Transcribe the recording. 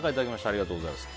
ありがとうございます。